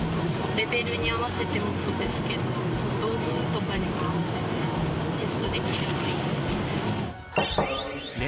レベルに合わせてもそうですけど、道具とかに合わせてテストできるのがいいですね。